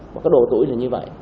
và cái độ tuổi là như vậy